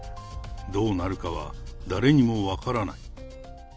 どうなるかは誰にも分からない。